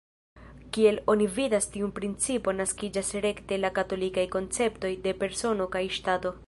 Kiel oni vidas tiu principo naskiĝas rekte la katolikaj konceptoj de "persono" kaj "ŝtato".